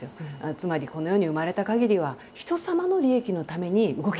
つまり「この世に生まれたかぎりはひとさまの利益のために動きなさい」と。